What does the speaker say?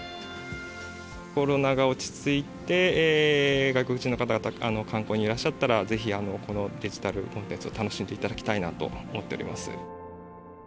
コロナが落ち着いて外国人の方々が観光にいらっしゃったら是非このデジタルコンテンツを楽しんでいただきたいなと思っております。